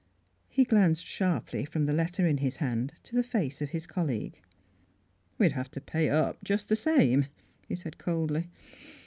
He glanced sharply from the letter in his hand to the face of his colleague. " We'd have to pay up just the same," he said coldly.